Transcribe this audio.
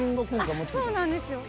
あっそうなんですよ。